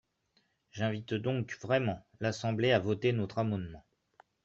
J’invite donc vraiment l’Assemblée à voter notre amendement.